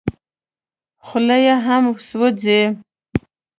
خوله یې هم سوځي .